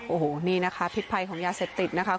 โอ้โหนี่นะคะพิษภัยของยาเสพติดนะคะ